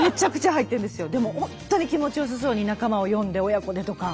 でも本当に気持ちよさそうに仲間を呼んで親子でとか。